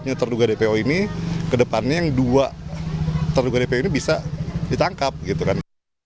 hanya terduga dpo ini kedepannya yang dua terduga dpo ini bisa ditangkap gitu kan